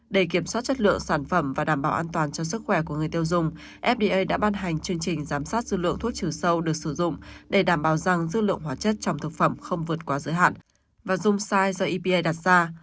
để kiểm soát chất lượng sản phẩm và đảm bảo an toàn cho sức khỏe của người tiêu dùng fda đã ban hành chương trình giám sát dư lượng thuốc trừ sâu được sử dụng để đảm bảo rằng dư lượng hóa chất trong thực phẩm không vượt quá giới hạn và dùng sai do epa đặt ra